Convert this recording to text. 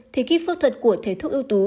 thì khi phẫu thuật của thế thuốc ưu tú